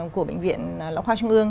của bệnh viện lão khoa trung ương